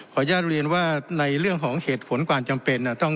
อนุญาตเรียนว่าในเรื่องของเหตุผลความจำเป็น